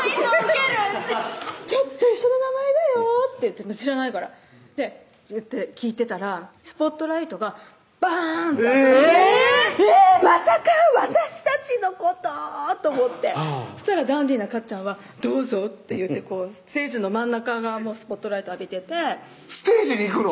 「ちょっと一緒の名前だよ」って知らないから言って聞いてたらスポットライトがバーンって当たってえぇっまさか私たちのこと？と思ってそしたらダンディーなかっちゃんは「どうぞ」って言ってステージの真ん中がスポットライト浴びててステージに行くの？